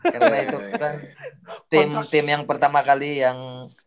karena itu kan tim tim yang pertama kali yang